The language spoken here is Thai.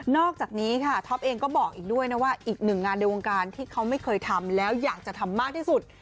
อกจากนี้ค่ะท็อปเองก็บอกอีกด้วยนะว่าอีกหนึ่งงานในวงการที่เขาไม่เคยทำแล้วอยากจะทำมากที่สุด